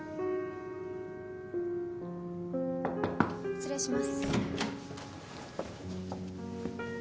・・失礼します。